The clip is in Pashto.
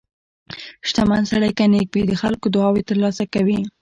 • شتمن سړی که نیک وي، د خلکو دعاوې ترلاسه کوي.